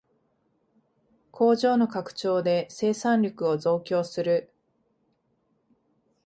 工場の拡張で生産力を増強する